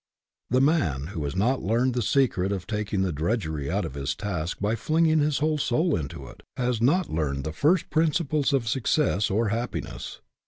The man who has not learned the secret of taking the drudgery out of his task by fling ing his whole soul into it, has not learned the first principles of success or happiness.